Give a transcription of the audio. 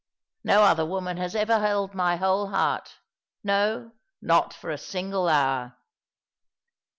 No other woman has ever held my whole heart ; no, not for a single hour."